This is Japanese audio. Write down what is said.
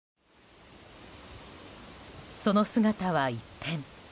その姿は一変。